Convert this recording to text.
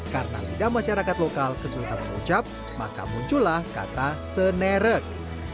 karena lidah masyarakat lokal kesulitan mengucap maka muncullah kata senerak